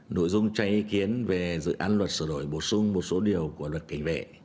nội dung cho ý kiến về dự án luật sửa đổi bổ sung một số điều của luật cảnh vệ